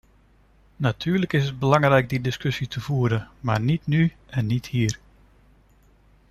Natuurlijk is het belangrijk die discussie te voeren maar niet nu en niet hier.